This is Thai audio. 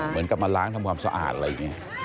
เหมือนกับมาล้างทำความสะอาดอะไรอย่างนี้